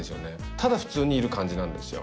ただ普通にいる感じなんですよ